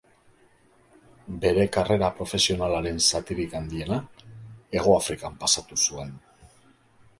Bere karrera profesionalaren zatirik handiena Hegoafrikan pasa zuen.